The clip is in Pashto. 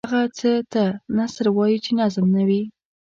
هغه څه ته نثر وايو چې نظم نه وي.